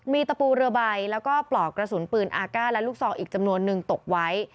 มีตะปูเรือใบแล้วก็ปลอกกระสุนปืนอาก้าและลูกซองอีกจำนวนนึงตกไว้